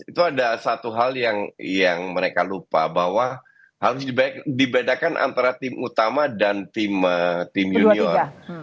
itu ada satu hal yang mereka lupa bahwa harus dibedakan antara tim utama dan tim junior